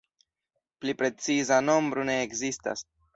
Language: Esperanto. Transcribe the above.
Pli preciza nombro ne ekzistas.